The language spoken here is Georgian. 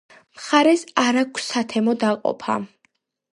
მხარეს არ აქვს სათემო დაყოფა.